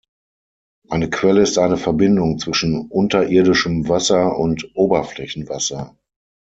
Eine Quelle ist eine Verbindung zwischen unterirdischem Wasser und Oberflächenwasser.